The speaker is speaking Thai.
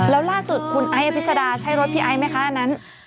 แล้วล่าสุดคุณไอ้อภิษดาใช่รถพี่ไอ้ไหมคะอันนั้น